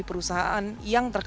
ini adalah hal yang sangat penting